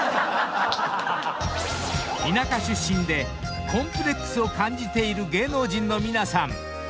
［田舎出身でコンプレックスを感じている芸能人の皆さん］